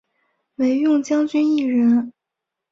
惟用将军一人。